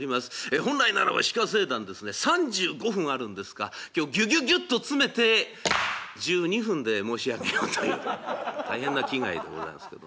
本来ならば「鹿政談」ですね３５分あるんですが今日ぎゅぎゅぎゅっと詰めて１２分で申し上げようという大変な気概でございますけどもね。